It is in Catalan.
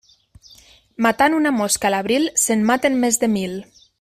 Matant una mosca a l'abril, se'n maten més de mil.